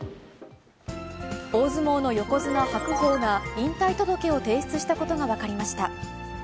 大相撲の横綱・白鵬が引退届を提出したことが分かりました。